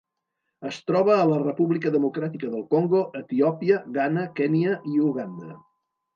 Es troba a la República Democràtica del Congo, Etiòpia, Ghana, Kenya i Uganda.